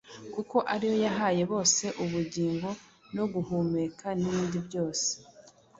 kuko ari yo yahaye bose ubugingo no guhumeka n’ibindi byose.”